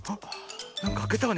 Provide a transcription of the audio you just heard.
なんかあけたわね